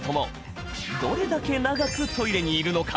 どれだけ長くトイレにいるのか。